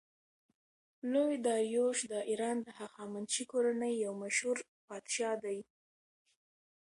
لوی داریوش د ایران د هخامنشي کورنۍ یو مشهور پادشاه دﺉ.